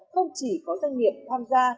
không chỉ có doanh nghiệp tham gia